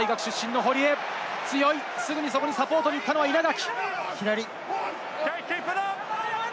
帝京大学出身の堀江、強い、すぐにそこにサポートに行ったのは稲垣。